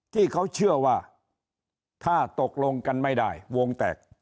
ที่เขาเชื่อว่าถ้าตกลงกันไม่ได้วงแตก